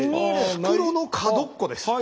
袋の角っこです。